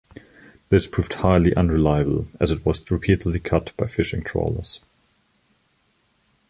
This proved highly unreliable as it was repeatedly cut by fishing trawlers.